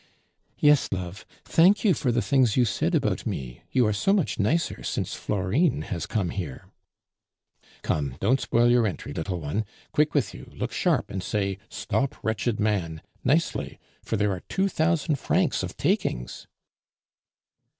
"Yes, love. Thank you for the things you said about me. You are so much nicer since Florine has come here." "Come, don't spoil your entry, little one. Quick with you, look sharp, and say, 'Stop, wretched man!' nicely, for there are two thousand francs of takings."